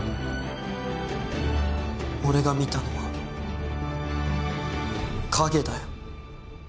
俺が見たのは影だよ。